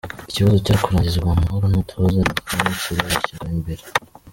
Iki kibazo cyaje kurangizwa mu mahoro n’umutuzo, gikemukira mu ishyaka imbere.